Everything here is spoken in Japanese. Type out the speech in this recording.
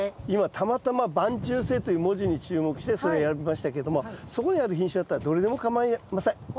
今たまたま晩抽性という文字に注目してそれを選びましたけどもそこにある品種だったらどれでもかまいません。